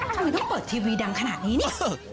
ทำไมต้องเปิดทีวีดังขนาดนี้เนี่ย